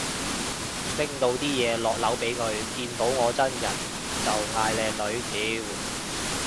拎到啲嘢落樓俾佢，見到我真人就嗌靚女，屌